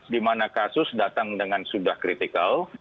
di mana kasus datang dengan sudah kritikal